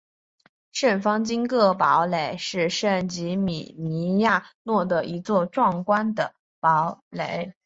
圣方济各堡垒是圣吉米尼亚诺的一座壮观的堡垒。